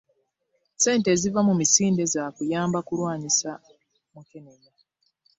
Ssente eziva mu misinde zakuyamba kulwanyisa mukenenya.